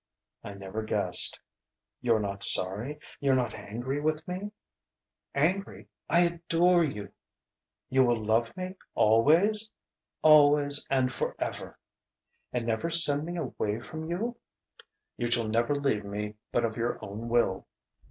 "I never guessed...." "You're not sorry? You're not angry with me ?" "Angry? I adore you!" "You will love me always?" "Always and forever." "And never send me away from you?" "You shall never leave me but of your own will."